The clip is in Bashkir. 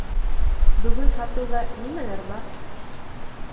Бөгөн һатыуҙа нимәләр бар?